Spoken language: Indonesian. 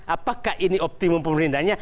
apakah ini optimum pemerintahnya